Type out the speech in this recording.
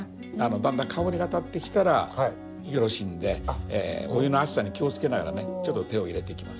だんだん香りがたってきたらよろしいんでお湯の熱さに気をつけながらね手を入れていきます。